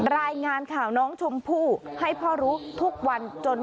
รายงานข่าวน้องชมพู่ให้พ่อรู้ทุกวันจน